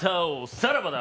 さらばだ！